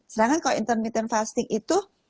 sedangkan kalau intermittent fasting itu